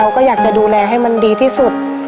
ก็อยากจะดูแลให้มันดีที่สุด